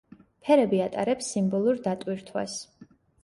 ფერები ატარებს სიმბოლურ დატვირთვას.